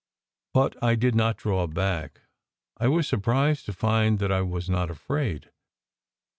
But I did not draw back. I was surprised to find that I was not afraid.